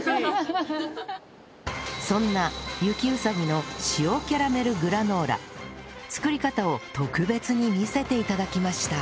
そんな雪うさぎの塩キャラメルグラノーラ作り方を特別に見せて頂きました